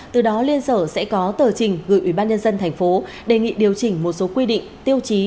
từ đó liên sở sẽ có tờ trình gửi ủy ban nhân dân tp hcm đề nghị điều chỉnh một số quy định tiêu chí